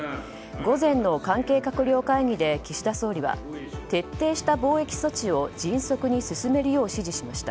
午前の関係閣僚会議で岸田総理は徹底した防疫措置を迅速に進めるよう指示しました。